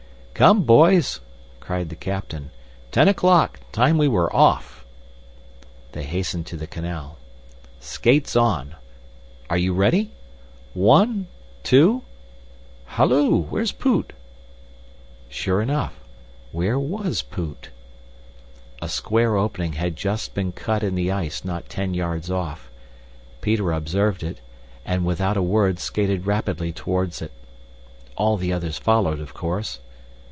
"Come, boys!" cried the captain. "Ten o'clock, time we were off!" They hastened to the canal. "Skates on! Are you ready? One, two halloo! Where's Poot?" Sure enough, where WAS Poot? A square opening had just been cut in the ice not ten yards off. Peter observed it and, without a word, skated rapidly toward it. All the others followed, of course.